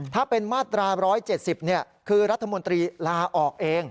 ถ้าเป็นมาตรา๑๗๐คือรัฐมนตรีลาออกเอง